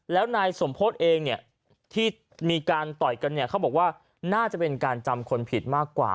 แล้วนายสมโพธิเองเนี่ยที่มีการต่อยกันเนี่ยเขาบอกว่าน่าจะเป็นการจำคนผิดมากกว่า